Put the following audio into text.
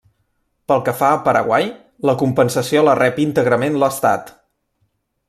Pel que fa a Paraguai, la compensació la rep íntegrament l'Estat.